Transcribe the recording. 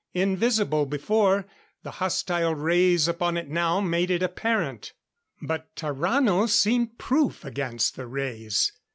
Invisible before, the hostile rays upon it now made it apparent. But Tarrano seemed proof against the rays.